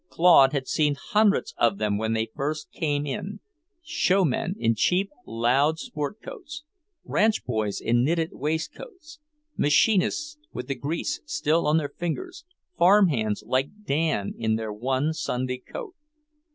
Claude had seen hundreds of them when they first came in; "show men" in cheap, loud sport suits, ranch boys in knitted waistcoats, machinists with the grease still on their fingers, farm hands like Dan, in their one Sunday coat.